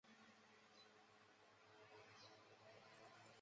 株式会社潮出版社是新宗教团体创价学会下的一个出版社。